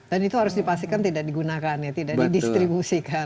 dan itu harus dipastikan tidak digunakan ya tidak didistribusikan